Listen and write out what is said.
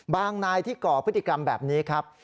นายที่ก่อพฤติกรรมแบบนี้ครับ